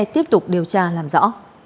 tiếp tục điều tra làm rõ